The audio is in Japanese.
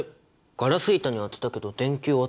ガラス板に当てたけど電球はつかない。